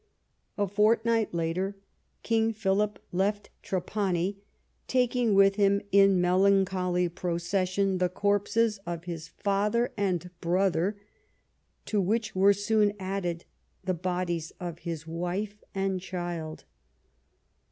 A fortnight later King Philip left Trapani, taking with him in melancholy procession the corpses of his father and brother, to which were soon added the l^odies of his wife and child.